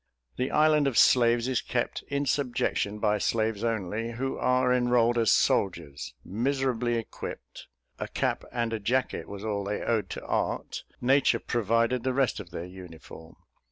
The island of slaves is kept in subjection by slaves only, who are enrolled as soldiers, miserably equipped; a cap and a jacket was all they owed to art, nature provided the rest of their uniform.